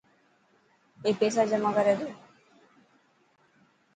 اي پيسا جمع ڪري تو.